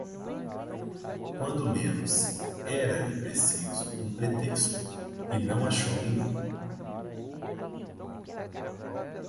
Quando menos, era-lhe preciso um pretexto, e não achou nenhum.